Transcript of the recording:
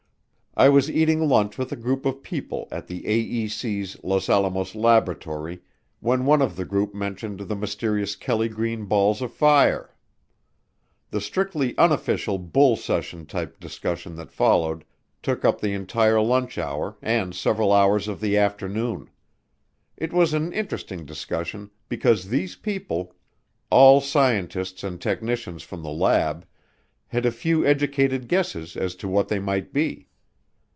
I was eating lunch with a group of people at the AEC's Los Alamos Laboratory when one of the group mentioned the mysterious kelly green balls of fire. The strictly unofficial bull session type discussion that followed took up the entire lunch hour and several hours of the afternoon. It was an interesting discussion because these people, all scientists and technicians from the lab, had a few educated guesses as to what they might be.